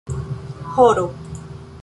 horo